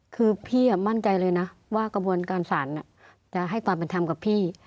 คือพี่มั่นใจเลยนะว่ากระบวนการศาลจะให้ความเป็นธรรมกับพี่